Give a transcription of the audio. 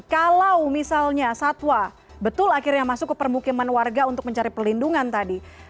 kalau misalnya satwa betul akhirnya masuk ke permukiman warga untuk mencari perlindungan tadi